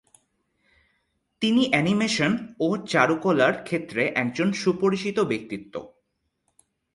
তিনি অ্যানিমেশন ও চারুকলার ক্ষেত্রে একজন সুপরিচিত ব্যক্তিত্ব।